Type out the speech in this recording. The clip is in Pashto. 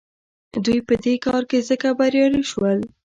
دوی په دې کار کې ځکه بریالي شول.